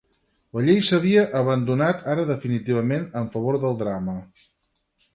La llei s'havia abandonat ara definitivament en favor del drama.